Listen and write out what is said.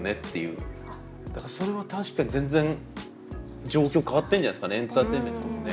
だからそれは確かに全然状況変わってんじゃないですかねエンターテインメントもね。